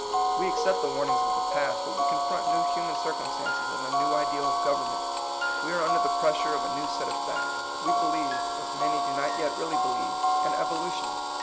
We accept the warnings of the past, but we confront new human circumstances and a new ideal of government. We are under the pressure of a new set of facts. We believe, as many do not yet really be lieve, in evolution.